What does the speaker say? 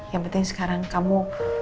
yang penting sekarang kamu